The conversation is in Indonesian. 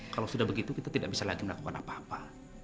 kalau sudah begitu kita tidak bisa lagi melakukan apa apa